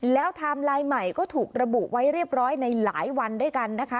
แล้วไทม์ไลน์ใหม่ก็ถูกระบุไว้เรียบร้อยในหลายวันด้วยกันนะคะ